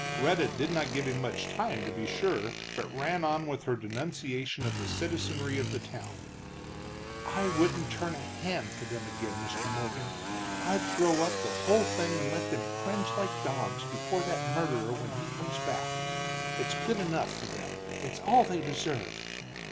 Rhetta did not give him much time, to be sure, but ran on with her denunciation of the citizenry of the town. "I wouldn't turn a hand for them again, Mr. Morgan I'd throw up the whole thing and let them cringe like dogs before that murderer when he comes back! It's good enough for them, it's all they deserve."